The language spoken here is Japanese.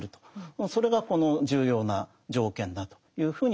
それがこの重要な条件だというふうに考えてるわけです。